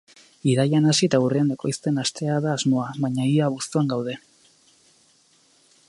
Irailean hasi eta urrian ekoizten hastea da asmoa, baina ia abuztuan gaude.